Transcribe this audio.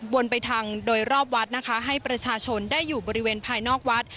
ไปทางโดยรอบวัดนะคะให้ประชาชนได้อยู่บริเวณภายนอกวัด